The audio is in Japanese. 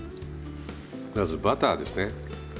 まずバターですね。